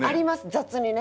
雑にね。